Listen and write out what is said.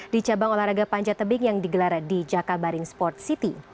di cabang olahraga panjat tebing yang digelar di jakabaring sport city